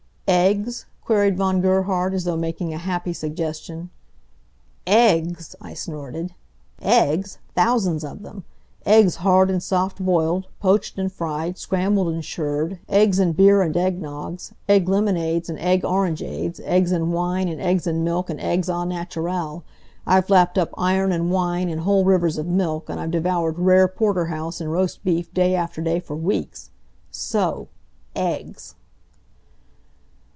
"Eggs?" queried Von Gerhard, as though making a happy suggestion. "Eggs!" I snorted. "Eggs! Thousands of 'em! Eggs hard and soft boiled, poached and fried, scrambled and shirred, eggs in beer and egg noggs, egg lemonades and egg orangeades, eggs in wine and eggs in milk, and eggs au naturel. I've lapped up iron and wine, and whole rivers of milk, and I've devoured rare porterhouse and roast beef day after day for weeks. So! Eggs!"